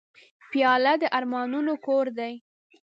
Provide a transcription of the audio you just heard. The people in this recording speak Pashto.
پیاله د ارمانونو کور دی.